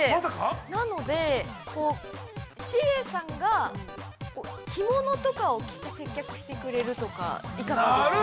なので、ＣＡさんが着物とかを着て接客してくれるとかいかがですかね。